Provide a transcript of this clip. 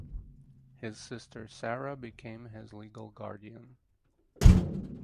His sister Sarah became his legal guardian.